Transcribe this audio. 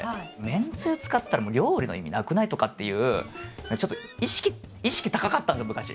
「めんつゆ使ったらもう料理の意味なくない？」とかって言うちょっと意識高かったんですよ昔。